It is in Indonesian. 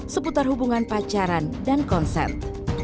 seputar hubungan pacaran dan konsep